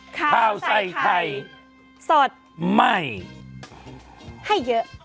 ข้าวใส่ไข่สดใหม่ให้เยอะ